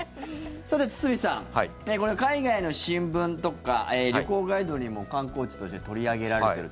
さて、堤さん海外の新聞とか旅行ガイドにも観光地として取り上げられていると。